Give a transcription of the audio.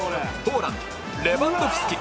ポーランドレバンドフスキ